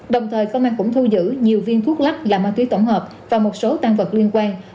đồng thời công an cũng thu giữ nhiều viên thuốc lắc là ma túy tổng hợp và một số tăng vật liên quan